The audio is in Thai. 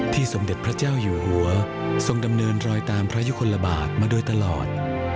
สมเด็จพระเจ้าอยู่หัวทรงดำเนินรอยตามพระยุคลบาทมาโดยตลอด